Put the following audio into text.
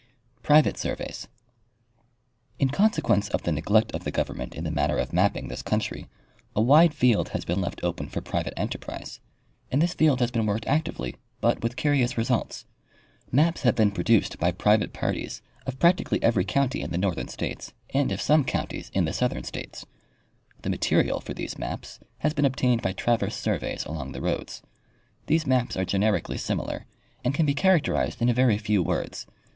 Private Surveys. In consequence of the neglect of the government in the matter of mapping this country, a wide field has been left open for pri vate enterprise, and this field has been worked actively, but with curious results. Maps have been produced by private parties of practically every county in the northern states and of some counties of the southern states. The material for these maps has been obtained by traverse surveys along the roads. These maps are generically similar, and can be characterized in a very few words.